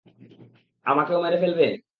আমাকেও মেরে ফেলবে?